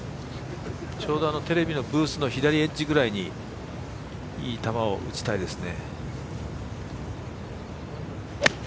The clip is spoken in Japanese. ちょうどテレビのブースの左ぐらいにいい球を打ちたいですね。